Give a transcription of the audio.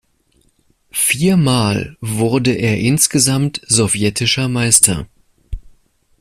Vier Mal wurde er insgesamt sowjetischer Meister.